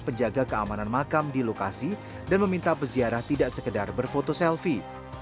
penjaga keamanan makam di lokasi dan meminta peziarah tidak sekedar berfoto selfie